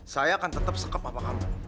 saya akan tetep sekep papa kamu